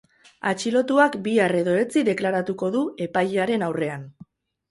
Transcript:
Atxilotuak bihar edo etzi deklaratuko du epailearen aurrean.